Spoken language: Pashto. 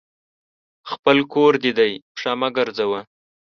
خپل کور دي دی ، پښه مه ګرځوه !